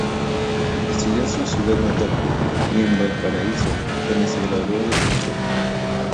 Estudió en su ciudad natal y en Valparaíso, donde se graduó de contador.